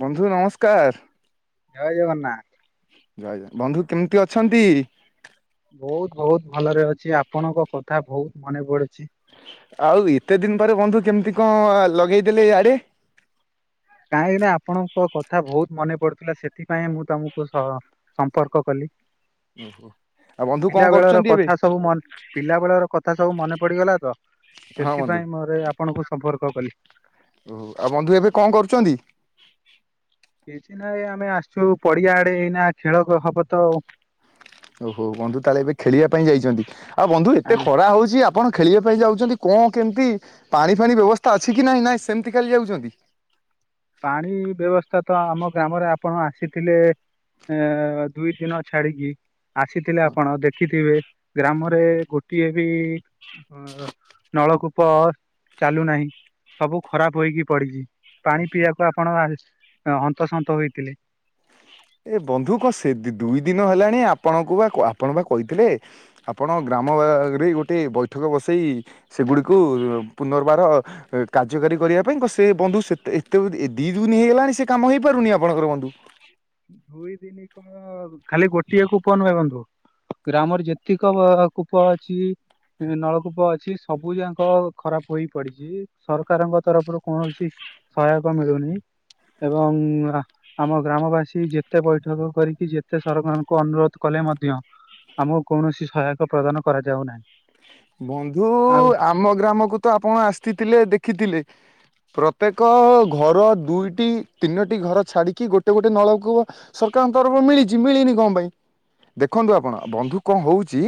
ବନ୍ଧୁ ନମସ୍କାର। ଜୟ ଜଗନା ଜୟ ଜଗନା। ବନ୍ଧୁ କେମତି ଅଛନ୍ତି? ବହୁତ ବହୁତ ଆଉ ଏତେ ଦିନି ପରେ ବନ୍ଧୁ କେମିତି କଣ ଲଗେଇ ଦେଲେ କାହିଁକିନା ଆପଣଙ୍କ କଥା ବହୁତ ମନେ ପଡୁଥିଲା ସେଥିପାଇଁ ମୁଁ ତମକୁ ସ ସମ୍ପର୍କ କଲି। ଓହୋ ଆଉ ବନ୍ଧୁ କଣ ପିଲା ବେଳର କରୁଛନ୍ତି ଏବେ? କଥା ସବୁ ମନ୍ କଥା ସବୁ ମନେ ପଡିଗଲା ତ। ହଁ ବନ୍ଧୁ ସେଥିପାଇଁ ମୋର ଏ ଆପଣଙ୍କୁ ସମ୍ପର୍କ କଲି। ଓହୋ ଆଉ ବନ୍ଧୁ ଏବେ କଣ କରୁଛନ୍ତି? କିଛି ନାହିଁ ଆମେ ଆସିଛୁ ପଡିଆ ଆଡେ ଏଇନା ଖେଳ ଖ ହବ ତ ଆଉ। ଓହୋ ବନ୍ଧୁ ତାହେଲେ ଏବେ ଖେଳିଆ ପାଇଁ ଯାଇଛନ୍ତି। ଆଉ ବନ୍ଧୁ ଏତେ ଆଜ୍ଞା ଖରା ହଉଛି ଆ ଆପଣ ଖେଳିଆ ପାଇଁ ଯାଉଛନ୍ତି କଣ କେମତି ପାଣି ଫାଣି ବ୍ୟବସ୍ଥା ଅଛି କି ନାହିଁ ନାଁ ସେମତି ଖାଲି ଯାଉଛନ୍ତି? ପାଣି ବ୍ୟବସ୍ଥା ତ ଆମ ଗ୍ରାମରେ ଆପଣ ଆସିଥିଲେ ଏଁ ଦୁଇ ଦିନ ଛାଡିକି। ଆସିଥିଲେ ଆପଣ ଦେଖିଥିବେ ଗ୍ରାମରେ ଗୋଟିଏ ବି ଅଁ ନଳକୂ ପ ଚାଲୁନାହିଁ ସବୁ ଖରାପ ହୋଇକି ପଡିଛି। ପାଣି ପିଇଆକୁ ଆପଣ ଆସି ଆଁ ହନ୍ତସନ୍ତ ହୋଇଥିଲେ। ଏ ବନ୍ଧୁ କଣ ସେ ଦି ଦୁଇ ଦିନ ହେଲାଣି ଆପଣଙ୍କୁ ବା କ ଆପଣ ବା କହିଥିଲେ ଆପଣଙ୍କ ଗ୍ରା ଆମ ଆ ରେ ଗୋଟିଏ ବୈଠକ ବସେଇ ସେଗୁଡ଼ିକୁ ପୁନର୍ବାର ଅ କାର୍ଯ୍ୟକାରୀ କରିଆ ପାଇଁ କଣ ସେ ବନ୍ଧୁ ସେତେ ଏତେ ଉ ଏ ଦି ଦିନି ହେଇଗଲାଣି ସେ କାମ ହେଇପାରୁନି ଆପଣଙ୍କର ବନ୍ଧୁ। ଦୁଇ ଦିନି କଣ ଖାଲି ଗୋଟିଏ କୂପ ନୁହେଁ ବନ୍ଧୁ। ଗ୍ରାମର ଯେତିକ ଅ କୂପ ଅଛି ଇଁ ନଳକୂପ ଅଛି ସବୁ ଯାକ ଖରାପ ହୋଇ ପଡିଚି ସରକାରଙ୍କ ତରଫରୁ କୌଣସି ସହାୟକ ମିଳୁ ନାହିଁ ଏବଂ ଆ-ଆମ ଗ୍ରାମବାସୀ ଇ ଯେତେ ବୈଠକ କରିକି ଯେତେ ସରକାରଙ୍କୁ ଅନୁରୋଧ କଲେ ମଧ୍ୟ ଆମକୁ କୌଣସି ସହାୟକ ପ୍ରଦାନ କରାଯାଉ ନାହିଁ। ବନ୍ଧୁ ଆଉ ଆମ ଗ୍ରାମକୁ ତ ଆପଣ ଆସିଥିଲେ ଦେଖିଥିଲେ। ପ୍ରତ୍ୟେକ ଘର ଦୁଇଟି ତିନୋଟି ଘର ଛାଡିକି ଗୋଟେ ଗୋଟେ ନଳକୂଅ ସରକାର ତରଫରୁ ମିଳିଚି ମିଳିନି କଣ ପାଇଁ। ଦେଖନ୍ତୁ ଆପଣ ବନ୍ଧୁ କଣ ହଉଚି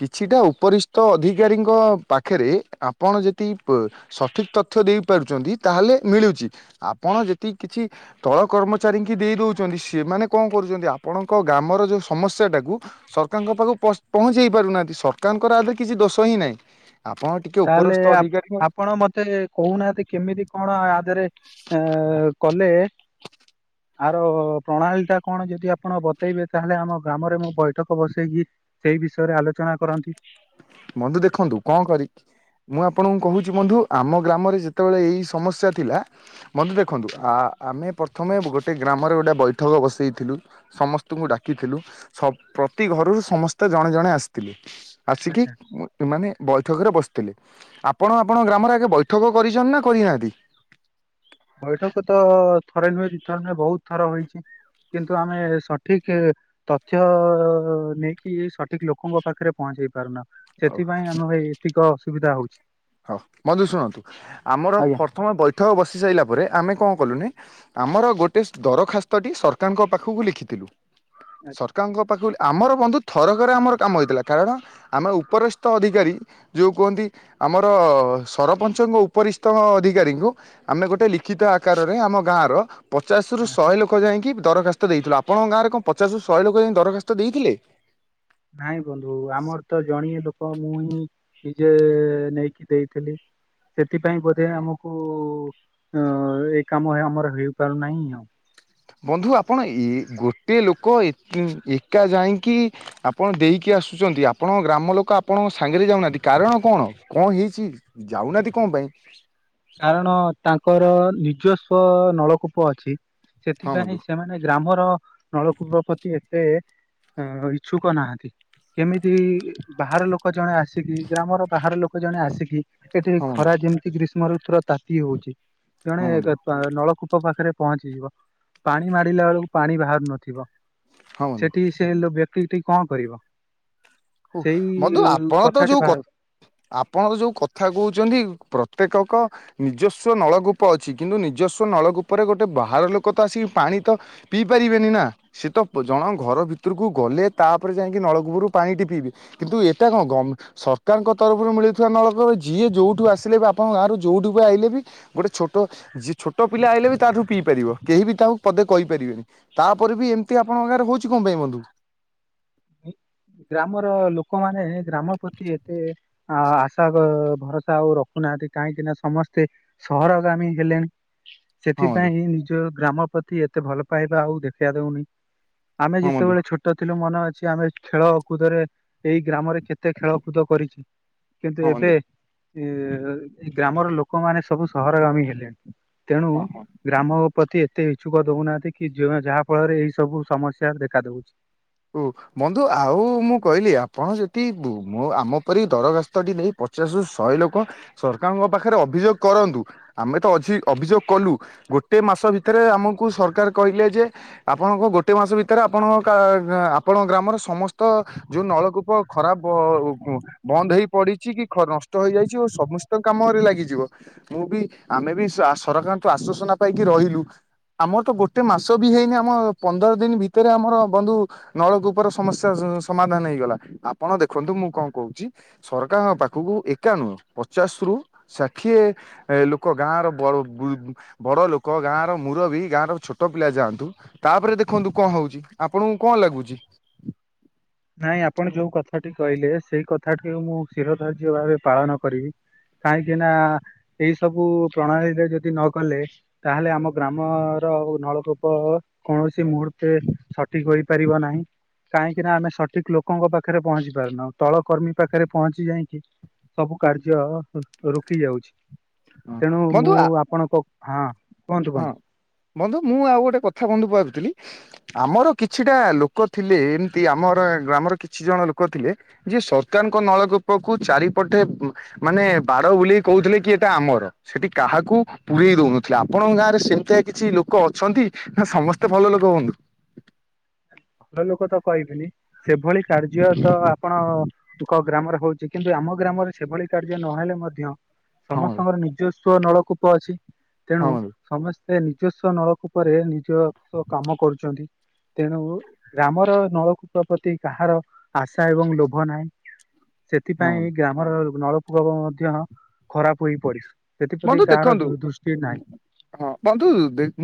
କିଛିଟା ଉପରିଷ୍ଟ୍ ଟ ଅଧିକାରୀଙ୍କ ପାଖେରେ ଆପଣ ଯଦି ପ ସଠିକ ତଥ୍ୟ ଦେଇପାରୁଚନ୍ତି ତାହେଲେ ଏ ମିଳୁଚି ଆପଣ ଯଦି କିଛି ତଳ କର୍ମଚାରୀ ଙ୍କି ଦେଇ ଦଉଚନ୍ତି ସେମାନେ କଣ କରୁଚନ୍ତି ଆ ଆପଣଙ୍କ ଗ୍ରାମର ଯୋଉ ସମସ୍ୟା ଟାକୁ ସରକାରଙ୍କ ପାଖକୁ ପସ୍ ପହଁଞ୍ଚେଇ ପାରୁନାହାନ୍ତି ସରକାରଙ୍କର ଆ ଧିଅରେ କିଛି ଦୋଷ ହିଁ ନାଇଁ। ତାହେଲେ ଆପ-ଆପଣ ମତେ କହୁନାହାନ୍ତି କେମିତି କଣ ଆ ଆ ଧିଅରେ ଅଁ କଲେ ଆର ପ୍ରଣାଳୀ ଟା କଣ ଯଦି ଆପଣ ବତେଇବେ ତାହେଲେ ଆମ ଗ୍ରାମରେ ମୁଁ ବୈଠକ ବସେଇକି ସେଇ ବିଷୟରେ ଆଲୋଚନା କରନ୍ତି। ବନ୍ଧୁ ଦେଖନ୍ତୁ କଣ କରିକି ମୁଁ ଆପଣଙ୍କୁ କହୁଚି ବନ୍ଧୁ ଆମ ଗ୍ରାମରେ ଯେତେବେଳେ ଏଇ ସମସ୍ୟା ଥିଲା ବନ୍ଧୁ ଦେଖନ୍ତୁ ଆଚ୍ଛା ଆ-ଆ-ଆମେ ପ୍ରଥମେ ଗୋ ଟେ ଗ୍ରାମରେ ଗୋଟେ ବୈଠକ ବସେଇଥିଲୁ। ସମସ୍ତଙ୍କୁ ଡାକିଥିଲୁ। ସବ ପ୍ରତି ଘରୁରୁ ସମସ୍ତେ ଜଣେ ଜଣେ ଆସିଥିଲେ ଆସିକି ଆଚ୍ଛା। ମାନେ ବୈଠକ ରେ ବସିଥିଲେ। ଆପଣ ଆପଣଙ୍କ ଗ୍ରାମରେ ଆଗେ ବୈଠକ କରିଛନ୍ତି ନା କରିନାହାନ୍ତି। ବୈଠକ ତ ଥରେ ନୁହେଁ ଦୁଇ ଥର ନୁହେଁ ବହୁତ ଥର ହୋଇଛି। କିନ୍ତୁ ଆମେ ସଠିକ ତଥ୍ୟ ନେଇକି ସଠିକ ଲୋକଙ୍କ ପାଖରେ ପହଞ୍ଚ ଇପାରୁନା ହଉ ସେଥିପାଇଁ ଆମର ଏତିକ ଅସୁବିଧା ହୋଉଛି। ହଁ ବନ୍ଧୁ ଶୁଣନ୍ତୁ ଆମର ଆଜ୍ଞା ଫଥମ ବୈଠକ ବସି ସାରିଲା ପରେ ଆମେ କଣ କଲୁନା ଆମର ଗୋଟେ ଦରଖାସ୍ତଟି ସରକାରଙ୍କ ପାଖକୁ ଲେଖିଥିଲୁ। ଆଚ୍ଛା ସରକାରଙ୍କ ପାଖକୁ ଲେ ଆମର ବନ୍ଧୁ ଥରକରେ ଆମର କାମ ହେଇଥିଲା କାରଣ ଆମେ ଉପରିସ୍ଥ ଅଧିକାରୀ ଜୋଉ କୁହନ୍ତି। ଆମର ସରପଞ୍ଚଙ୍କୁ ଉପରିସ୍ଥ ଅଧିକାରୀଙ୍କୁ ଆମେ ଗୋଟେ ଲିଖିତ ଆକାରରେ ଆମ ଗାଁ ଗାଁର ପଚାଶରୁୁ ଆଁ, ଶହେ ଲୋକ ଯାଇଁକି ଦରଖାସ୍ତ ଦେଇଥିଲୁ ଆପଣଙ୍କ ଗାଁରେ କଣ? ପଚାଶରୁ ଶହେ ଲୋକ ଯାଇକିଁ ଦରଖାସ୍ତ ଦେଇଥିଲେ? ନାଇଁ ବନ୍ଧୁ ଆମର ତ ଜଣୀଏ ଲୋକ ମୁଁ ହିଁ ନିଜେ ନେଇକି ଦେଇଥିଲି। ସେଥିପାଇଁ ବୋଧେ ଆମକୁ ଅଁ ଏ କାମ ଆମର ହେଇପାରୁନାହିଁ ଆଉ। ବନ୍ଧୁ ଆପଣ ଇ ଗୋଟେ ଲୋକ ଏକା ଯାଇଁକି ଆପଣ ଦେଇକି ଆ ଆସୁଚନ୍ତି ଆପଣଙ୍କ ଗ୍ରାମ ଲୋକ ଆପଣଙ୍କ ସାଙ୍ଗରେ ଯାଉନାହାନ୍ତି କାରଣ କଣ କଣ ହେଇଛି ଯାଉନାହାନ୍ତି କଣ ପାଇଁ। କାରଣ ତାଙ୍କର ନିଜସ୍ୱ ନଳକୂପ ଅଛି। ହଁ ସେଥିପାଇଁ ବନ୍ଧୁ ସେମାନେ ଗ୍ରାମର ନଳକୂପ ପ୍ରତି ଏତେ ଅ ଇଚ୍ଛୁକ ନାହାନ୍ତି କେମି ଏଠି ବାହାର ଲୋକ ଜଣେ ଆସିକି ଗ୍ରାମର ବାହାର ଲୋକ ଜଣେ ଆସିକି ଏଠି ହଁ ବନ୍ଧୁ ଖରା ଯେମିତି ଗ୍ରୀଷ୍ମ ଋତ ତୁର ତାତି ହୋଉଚି ଜଣେ ହଁ ବନ୍ଧୁ ପା ନଳକୂ ପ ପାଖରେ ପହଞ୍ଚିଯିବ ପାଣି ମାଡିଲା ବେଳକୁ ପାଣି ବାହାରୁ ନଥିବ ହଁ ବନ୍ଧୁ। ସେଠି ସେ ଲୋ ବ୍ୟକ୍ତିଟି କଣ କରିବ? ହୁଁ ସେଇ ବଧୁ ଆପଣ ତ କଥାଟି ଯୋଉ ବାହାରୁନି ଆପଣ ଯୋଉ କଥା କହୁଚିନ୍ତି ପ୍ର ପ୍ରତ୍ୟେକଙ୍କ ନିଜସ୍ୱ ନଳକୂପ ଅଛି କିନ୍ତୁ ନିଜସ୍ୱ ନଳକୂପରେ ଗୋଟେ ବାହାର ଲୋକ ତ ଆସିକି ପା ଣି ତ ପିଇ ପାରିବେନି ନା। ସେ ତ ଜଣ ଘର ଭିତରକୁ ଗଲେ ତାପରେ ଯାଇକି ନଳକୂପରୁ ପାଣି ଟି ପିଇବି କିନ୍ତୁ ଏଟା କଣ ଗମ୍ ସରକାରଙ୍କ ତରଫରୁ ମିଳୁଥିବା ନଳକ ଯିଏ ଯୋଉଠୁ ଆସିଲେ ବି ଆପଣଙ୍କ ଗାଁ ଯୋଉ ଠୁ କୁ ଆଇଲେ ବି ଗୋଟେ ଛୋଟ ଜ୍ ଛୋଟ ପିଲା ଆଇଲେ ବି ତାଠୁ ପିଇ ପାରିବ କେହି ବି ତାକୁ ପଦେ କହି ପେରିବେ ତାପରେ ବି ଏମତି ଆପଣଙ୍କ ଗାଁ ରେ ହୋଉଛି କଅଁ ପାଇଁ ବନ୍ଧୁ? [inaudible] ଗ୍ରାମର ଲୋକମାନେ ଗ୍ରାମ ପ୍ରତି ଏତେ ଆ ଆଶା ବା ଭରସା ଆଉ ରଖୁ ନାହାନ୍ତି। କାହିଁକି ନା ସମସ୍ତେ ସହରଗାମୀ ହେଲେଣି ସେଥି ହଁ ବନ୍ଧୁ ପାଇଁ ନିଜ ଗ୍ରାମ ପ୍ରତି ଏତେ ଭଲ ପାଇବା ଆଉ ଦେଖା ଦେଉନି। ଆମେ ହଁ ବନ୍ଧୁ ଯେତେବେଳେ ଛୋଟ ଥିଲୁ। ମନେ ଅଛି ଆମେ ଖେଳକୁଦରେ ଏହି ଗ୍ରାମରେ କେତେ ଖେଳକୁଦ କରିଛି କିନ୍ତୁ ହଁ ବନ୍ଧୁ ଏବେ ଇ ଏଇ ଗ୍ରାମର ଲୋକମାନେ ସବୁ ସହରଗାମୀ ହେଲେଣି। ତେଣୁ ହଁ। ଗ୍ରାମ ଓ ପ୍ରତି ଏତେ ଇଚ୍ଛୁକ ଦଉନାହାନ୍ତି କି ଜ୍ୱି ଯାହା ଫଳରେ ଏଇ ସବୁ ସମସ୍ୟା ଦେଖା ଦେଉଛି। କୁ ବନ୍ଧୁ ଆଉ ମୁଁ କହିଲି ଆପଣ ଯଦି ବୁ ମୁଁ ଆମ ପରି ଦରଖାସ୍ତଟି ନେଇ ପ୍ ପଚାଶ ରୁ ଶହେ ଲୋକ ସରକାରଙ୍କ ପାଖରେ ଅଭିଯୋଗ କରନ୍ତୁ ଆମେ ତ ଅଛି ଅଭିଯୋଗ କଲୁ ଗୋଟେ ମାସ ଭିତରେ ଆମକୁ ସରକାର କହିଲେ ଯେ ଆପଣଙ୍କ ଗୋଟେ ମାସ ଭିତରେ ଆପଣଙ୍କ କା ରା ଆପଣଙ୍କ ଗ୍ରାମର ସମସ୍ତ ଯୋଉ ନଳକୂପ ଖରାପ ବନ୍ଦ ହେଇ ପଡିଛି କି ଖ ନଷ୍ଟ ହେଇଯାଇଛି ଓ ସମସ୍ତ କାମରେ ଲାଗିଯିବ। ମୁଁ ବି ଆମେ ବି ସ୍ ସରକାରଠୁ ଆଶ୍ଵସ ନା ପାଇକି ରହିଲୁ। ଆମର ତ ଗୋଟେ ମାସ ବି ହେଇନି ଆମ ପନ୍ଦର ଦିନ ଭିତରେ ଆମର ବନ୍ଧୁ ନଳକୂପର ସମସ୍ୟା ସମାଧାନ ହେଇଗଲା। ଆପଣ ଦେଖନ୍ତୁ ମୁଁ କଣ କୋହୁଚି ସରକାରଙ୍କ ପାଖ ଖକୁ ଏକା ନୁହଁ ପଚାଶରୁ ଷାଠିଏ ଲୋକ ଗାଁର ବ ବ୍ୟୁ ବ ବଡ଼ ଲୋକ ଗାଁର ମୁରବୀ, ଗାଁର ଛୋଟ ପିଲା ଯାଆନ୍ତୁ। ତାପରେ ଦେଖନ୍ତୁ କଣ ହୋଉଛି ଆପଣଙ୍କୁ କଣ ଲାଗୁଚି ନାଇଁ ଆପଣ ଯୋଉ କଥାଟି କହିଲେ ସେଇ କଥାଟି ମୁଁ ଶିରଧାର୍ଯ୍ୟ ଭାବେ ପାଳନ କରିବି। କାହିଁକିନା ଏଇ ସବୁ ପ୍ରଣାଳୀରେ ଯଦି ନ କଲେ ତାହେଲେ ଆମ ଗ୍ରାମ [unintelligible] ନଳକୂପ କୌଣସି ମୁହୂର୍ତ୍ତେ ସଠିକ ହୋଇପାରିବ ନାହିଁ। କାହିଁକି ନା ଆମେ ସଠିକ ଲୋକଙ୍କ ପାଖରେ ପହଞ୍ଚି ପାରୁନାହୁଁ ତଳ କର୍ମୀ ପାଖରେ ପହଞ୍ଚି ଯାଇକି ସବୁ କାର୍ଯ୍ୟ ରୋକି ଯାଉଛି। ହଁ ତେଣୁ ବନ୍ଧୁ ମୁଁ ଆପଣ କ ହଁ କୁହନ୍ତୁ ହଁ କୁହନ୍ତୁ? ବନ୍ଧୁ ମୁଁ ଆଉ ଗୋଟେ କଥା ବନ୍ଧୁ ଭାବିଥିଲି। [inaudible] ଆମର କିଛିଟା ଲୋକ ଥିଲେ ଏମତି ଆମର ଗ୍ରାମର କିଛି ଜଣ ଲୋକ ଥିଲେ ଯିଏ ସରକାରଙ୍କ [unintelligible] ନଳକୂପ କୁ ଚାରିପଟେ ମାନେ ବାର ବୁଲି କହୁଥିଲେ କି? ଆମର ସେଠି କାହାକୁ ପୁରେଇ ଦଉନଥିଲା ଆପଣଙ୍କ ଗାଁରେ ସେମିତିଆ କିଛି ଲୋକ ଅଛନ୍ତି ନା [unintelligible] ସମସ୍ତେ ଭଲ ଲୋକ ହୁଅନ୍ତୁ। ହ ଭଲ ଲୋକ ତ କହିବିନି ସେଭଳି କାର୍ଯ୍ୟ ତ ଆପଣ ଗ୍ରାମରେ ହଉଛି କିନ୍ତୁ? ଆମ ଗ୍ରାମରେ ସେଭଳି କାର୍ଯ୍ୟ ନହେଲେ ମଧ୍ୟ ହଁ ସମସ୍ତଙ୍କର ନିଜସ୍ୱ ନଳକୂପ ଅଛି ହଁ ତେଣୁ ବନ୍ଧୁ ସମସ୍ତ ସେ ନିଜସ୍ୱ ନଳକୂପରେ ନିଜସ୍ଵ କାମ କରୁଛନ୍ତି ତେଣୁ ଗ୍ରାମର ନଳକୂପ ପ୍ରତି କାହାର ଆଶା ଏବଂ ଲୋଭ ନାହିଁ। ହଁ ସେଥିପାଇଁ ବନ୍ଧୁ ଗ୍ରାମର ନଳପୂକୋପ ମଧ୍ୟ ଖରାପ ହେଇ ପଡିଚି। ବନ୍ଧୁ ଦେଖନ୍ତୁ ହଁ ବନ୍ଧୁ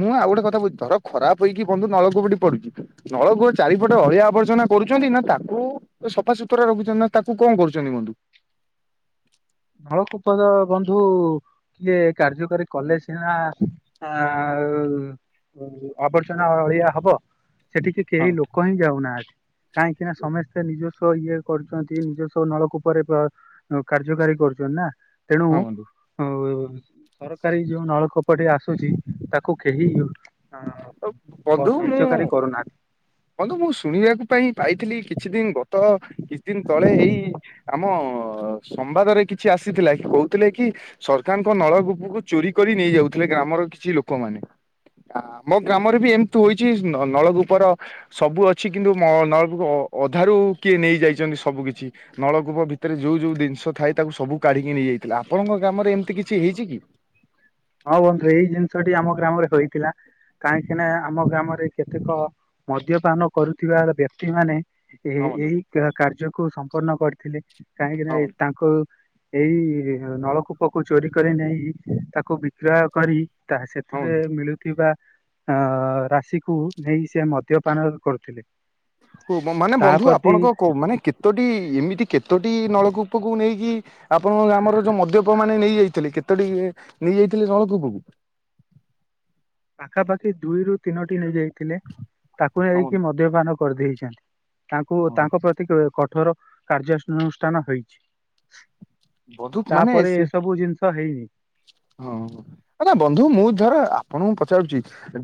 ମୁଁ ଆଉ ଗୋଟେ କଥାଛି ଧର ଖରାପ ହେଇକି ବନ୍ଧୁ ନଳକୂପଟି ପଡୁଛି ନଳକୂପ ଚାରିପଟେ ଅଳିଆ ଆବର୍ଜନା କରୁଛନ୍ତି ନା ତାକୁ ସଫାସୁତୁରା ରଖିଛନ୍ତି ନା ତାକୁ କଣ କରୁଛନ୍ତି ବନ୍ଧୁ? ନଳକୂପ ତ ବନ୍ଧୁ କିଏ କାର୍ଯ୍ୟକାରୀ କଲେ ସିନା ଆଁ। ଆ ଆବର୍ଜନା ଅଳିଆ ହବ ସେଠିକି କେହି ହଁ ଲୋକ ହିଁ ଯାଉନାହାନ୍ତି। କାହିଁକି ନା ସମସ୍ତେ ନିଜସ୍ୱ ଇଏ କରୁଛନ୍ତି ନିଜସ୍ୱ ନଳକୂପରେ କାର୍ଯ୍ୟକାରୀ କରଛନ୍ତି ନା ତେଣୁ ହଁ ବନ୍ଧୁ ସରକାରୀ ଯୋଉ ନଳକୂପଟ ଆସୁଛି ତାକୁ କେହି ଅ କାର୍ଯ୍ୟକାରୀ କରୁନାହାଁନ୍ତି। ବନ୍ତୁ ମୁଁ ଶୁଣିବାକୁ ପାଇଁ ପାଇଥିଲି କିଛି ଦିନ ଗତ କିଛି ଦିନ ତଳେ ଏଇ ଆମ ସମ୍ବାଦରେ କିଛି ଆସିଥିଲା କି କହୁଥିଲେ କି ସରକାରଙ୍କ ନଳକୂପକୁ ଚୋରି କରି ନେଇଯାଉଥିଲେ କ ଗ୍ରାମର କିଛି ଲୋକମାନୋନ ଆ ଆମ ଗ୍ରାମରେ ବି ଏମିତି ହଛି ନଳକୂପ। ସବୁ ଅଛି କିନ୍ତୁ ନଳକୂପ ଅଧାରୁ କିଏ ନେଇଯାଇଛନ୍ତି ସବୁ କିଛି ନଳକୂପ ଭିତରେ ବିତରେ ଯୋଉ ଯୋଉ ଜିନିଷ ଥାଏ ତାକୁ ସବୁ କାଢିକି ନେଇଯାଇଥିଲା ଆପଣଙ୍କ ଗ୍ରାମରେ ଏମିତି କିଛି ହେଇଛି କି? ହଁ ବନ୍ଧୁ ଏଇ ଜିନିଷଟି ଆମ ଗ୍ରାମରେ ହେଇଥିଲା। କାହିଁକିନା ଆମ ଗ୍ରାମରେ କେତେକ ମଦ୍ୟପାନ କରୁଥିବା ବ୍ୟକ୍ତି ମାନେ ଏ ହଁ ବନ୍ଧୁ ଏଇ କାର୍ଯ୍ୟକୁୁ ସମ୍ପୂର୍ଣ୍ଣ କରିଥିଲେ କାହିଁକିନା ହଁ ବନ୍ଧୁ ତାଙ୍କୁ ଏଇ ନଳକୂପକୁ ଚୋରି କରି ନେଇ ତାକୁ ବିକ୍ରୟ କରି ତା ହଁ ବନ୍ଧୁ। ସେଥିରେ ମିଳୁଥିବା ଅ ରାଶିକୁ ନେଇ ସେ ମଦ୍ୟପାନ କରୁଥିଲେ। ହଉ ମାନେ ତା ବନ୍ଧୁ ପ୍ରତି ଆପଣଙ୍କ ମାନେ କେତୋଟି ଏମିତି କେତୋଟି ନଳକୂପକୁ ନେଇକି ଆପଣ ଆମର ଯୋଉ ମଦ୍ୟପ ମାନେ ନେଇ ଯାଇଥିଲେ କେତୋଟି ଯାଇଥିଲଥିଲେ ନଳକୂପକୁ। ପାଖାପାଖି ଦୁଇରୁ ତିନୋଟି ନେଇଯାଇଥିଲେ ତାକୁ ହଁ ନେଇକି ମଦ୍ୟପାନ କରିଦେଇେଇଛନ୍ତି। ତାଙ୍କୁ ହଁ ତାଙ୍କ ପ୍ରତି କଠୋର କାର୍ଯ୍ୟ ଅନୁଷ୍ଠାନ ହେଇଛି। ବଧୁକ ମାନେ ସେ ହିଁ ହେଇନି ହ ବନ୍ଧୁ ମୁଁ ଧର ଆପଣଙ୍କ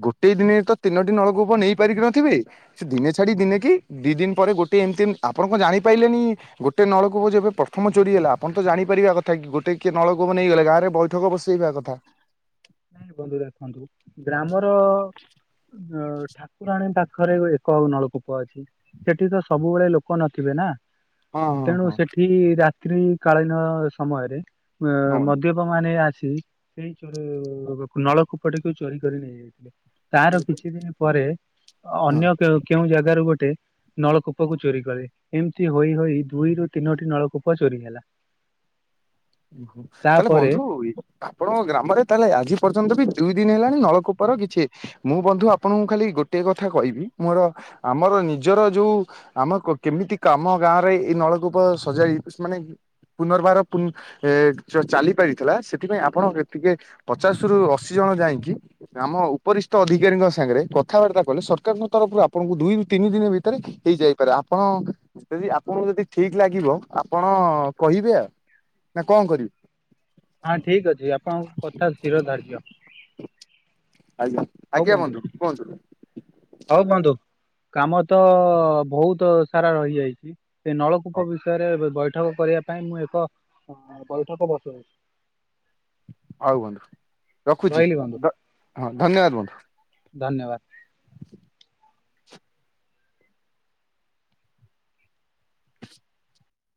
ଗୋଟେ ଦିନେ ତ ତିନୋଟି ନଳକୂପ ନେଇପାରିକି ନଥିବେ ସେ ଦିନେ ଛାଡି ଦିନେ କି ଦି ପରେ ଗୋଟେ ଏମିତି ଆପଣ ଜାଣିପ ପାଇିଲେନି ଗୋଟେ ନଳକୂପ ଏବେ ପ୍ରଥମ ଚୋରି ହେଲା। ଆପଣ ତ ଜାଣିପାରିବା କଥା କି ଗୋଟେ କିଏ ନଳକୂପ ନେଇଗଲେ ଗାଁରେ ବୈଠକ ବସେଇବା କଥା। ନାଁ ଏନ୍ତି ବନ୍ଦ ଅରିଆ କୁହନ୍ତୁ ଗ୍ରାମର ଅ ଠାକୁରାଣୀ ପାଖରେ ଗୋ ଏକ ନଳକୂପ ଅଛି ସେଠି ତ ସବୁବେଳେ ଲୋକ ନଥିବେ ନାଁ। ହଁ ହଁ ତେଣୁ ହଁ ସେଠି ରାତ୍ର କାଳୀନ ସମୟରେ ଅ ହଁ ବନ୍ଧୁ ମଦ୍ୟପମାନେ ଆସି ସେଇ ଚୋଡ଼ୁ କୂ ନଳକୂପଟିକୁ ଚୋରି କରି ନେଇଯାଇଥିଲେ। ତାର କିଛି ଦିନି ପରେ ଅ ହଁ। ଅନ୍ୟ କେ କେଉଁ ଜାଗାରୁ ଗୋ ଟେ ନଳକୂପକୁ ଚୋରି କରେ ଏମତି ହୋଇ ହୋଇ ଦୁଇରୁ ତିନୋଟି ନଳକୂପ ଚୋରି ହେଲା। ଓହୋ ତାଲେ ତାପରେ ବନ୍ଧୁ ଇ ଆପଣଙ୍କ ଗ୍ରାମରେ ତାହେଲେ ଆଜି ପର୍ଯ୍ୟନ୍ତ ବି ଦୁଇ ଦିନ୍ ହେଲାଣି ନଳକୂପର କିଛି ମୁଁ ବନ୍ଧୁ ଆପଣଙ୍କୁ ଖାଲି ଗୋଟିଏ କଥା କହିବି ମୋର ଆମର ନିଜର ଯୋଉ ଆମ କ କେମି ଇତି କାମ ଗାଁରେ ଏ ନଳକୂପ ସଜାଡ଼ି ମାନେ ପୁନର୍ବାର ପୁ ଏ ଚ ଚାଲି ପାରିଥିଲା ସେଥିପାଇଁ ଆପଣ କେ ଟିକେ ପଚାଶରୁ ଅଶି ଜଣ ଯାଇଁକି ଆମ ଉପରିସ୍ତ ଅଧିକାରୀଙ୍କ ସାଙ୍ଗରେ କଥାବାର୍ତ୍ତା କଲେ ସରକାରଙ୍କ ତରଫରୁ ଆପଣଙ୍କୁ ଦୁଇରୁ ତିନି ଦିନ ଭିତରେ ହେଇଯାଇପା ରା ଆପଣ ଯଦି ଆପଣଙ୍କୁ ଯଦି ଠିକ ଲାଗିବ ଆପଣ କହିବେ ଆ। ନାଁ କଣ କରିବି? ହଁ ଠିକ ଅଛି ଆପଣଙ୍କ କଥା ଶିରୋଧାର୍ଯ୍ୟ। ଆଜ୍ଞା ଆଜ୍ଞା ବନ୍ଧୁ କୁହନ୍ତୁ। ହଉ ବନ୍ଧୁ କାମ ତ ବହୁତ ସାରା ରହିଯାଇଚି। ସେ ହଉ ନଳକୂପ ବିଷୟରେ ବେ ବୈ ଠକ କରିବା ପାଇଁ ମୁଁ ଏକ ଅ ବୈଠକ ବସଉଚି। ଆଉ ବନ୍ଧୁ ରଖୁଚି ରହିଲି ବନ୍ଧୁ ଗ ହଁ ଧନ୍ୟବାଦ ବନ୍ଧୁ। ଧନ୍ୟବାଦ।